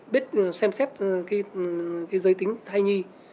biết xem xét giới tính thai nhi